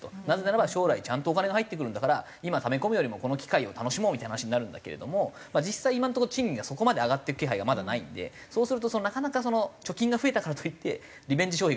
なぜならば将来ちゃんとお金が入ってくるんだから今ため込むよりもこの機会を楽しもうみたいな話になるんだけれども実際今のとこ賃金がそこまで上がっていく気配がまだないんでそうするとなかなか貯金が増えたからといってリベンジ